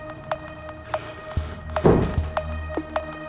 punya anak kembar